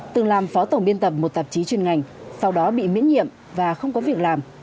từng làm phó tổng biên tập một tạp chí chuyên ngành sau đó bị miễn nhiệm và không có việc làm